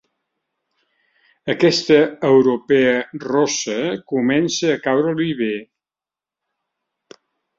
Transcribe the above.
Aquesta europea rossa comença a caure-li bé.